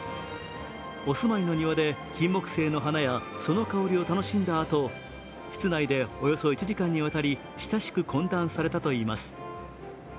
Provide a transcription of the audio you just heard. お住まいの庭でキンモクセイの花やその香りを楽しんだあと室内でおよそ１時間にわたり親しく懇談されたといいます。